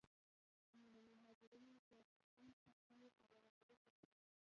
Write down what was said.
نو د مهاجرینو زیاتېدونکی شمېر نابرابري زیاتوي